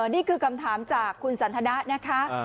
นี่คือคำถามจากคุณสันทนะนะคะ